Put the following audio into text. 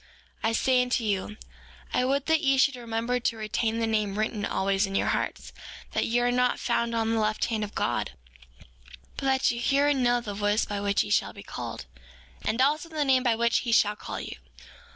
5:12 I say unto you, I would that ye should remember to retain the name written always in your hearts, that ye are not found on the left hand of God, but that ye hear and know the voice by which ye shall be called, and also, the name by which he shall call you.